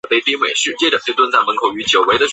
整张专辑均由台湾音乐人阿弟仔担纲制作。